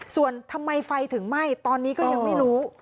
ส่วนทำไมไฟถึงไหม้ตอนนี้ก็ยังไม่รู้